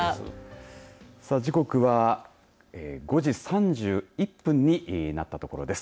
時刻は５時３１分になったところです。